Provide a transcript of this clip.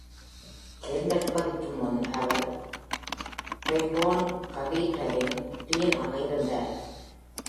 தேர்ந்தெடுப்பதற்கு முன்பு அவர் ப்ரெகோன் கதீட்ரலின் டீன் ஆக இருந்தார்.